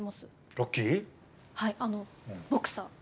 はいあのボクサー。